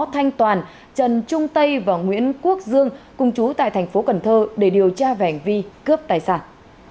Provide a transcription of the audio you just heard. thanh toàn trần trung tây và nguyễn quốc dương cung trú tại tp cần thơ để điều tra vẻn vi cướp tài sản